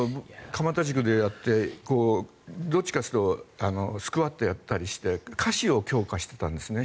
鎌田塾でやってどっちかというとスクワットをやったりして下肢を強化していたんですね。